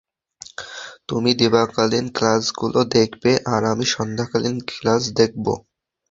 তুমি দিবাকালীন ক্লাসগুলো দেখবে আর আমি সন্ধ্যাকালীন ক্লাস দেখব।